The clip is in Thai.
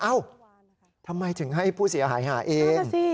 เอ้าทำไมถึงให้ผู้เสียหายหาเอง